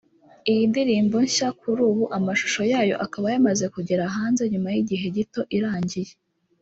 Iyi ndirimbo nshya kuri ubu amashusho yayo akaba yamaze kugera hanze nyuma y’igihe gito irangiye